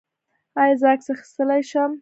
ایا زه عکس اخیستلی شم؟